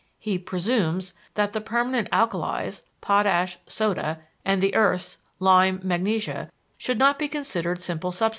"He presumes that the permanent alkalies (potash, soda) and the earths (lime, magnesia) should not be considered simple substances."